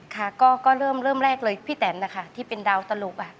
ค่ะก็เริ่มแรกเลยพี่แตนนะคะที่เป็นดาวตลก